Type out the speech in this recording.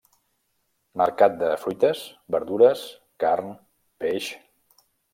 Mercat de fruites, verdures, carn, peix.